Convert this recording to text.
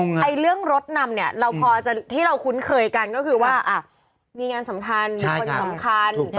ไอ้เรื่องรถนำเนี่ยเราพอที่เราคุ้นเคยกันก็คือว่ามีงานสำคัญมีคนสำคัญ